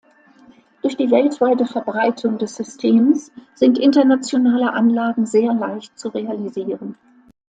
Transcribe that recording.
Durch die weltweite Verbreitung des Systems sind internationale Anlagen sehr leicht zu realisieren.